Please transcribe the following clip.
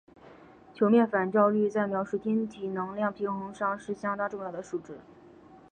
球面反照率在描述天体能量平衡上是相当重要的数值。